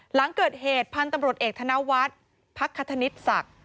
หลังเกิดเหตุพันธ์ตำรวจเอกธนวัตรพักธนิสสัก